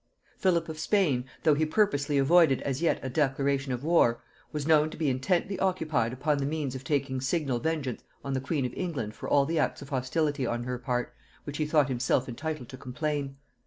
Philip of Spain, though he purposely avoided as yet a declaration of war, was known to be intently occupied upon the means of taking signal vengeance on the queen of England for all the acts of hostility on her part of which he thought himself entitled to complain.